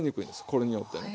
これによって。